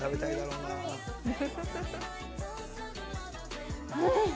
うん。